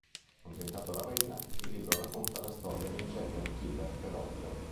Ambientato a Ravenna, il libro racconta la storia di un serial killer pedofilo.